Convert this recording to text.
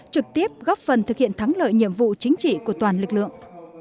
trực tiếp góp phần thực hiện thắng lợi nhiệm vụ chính trị của toàn lực lượng